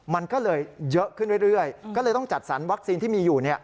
มันก็เลยเยอะขึ้นเรื่อยก็เลยต้องจัดสรรวัคซีนที่มีอยู่